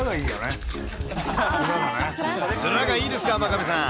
つらがいいですか、真壁さん。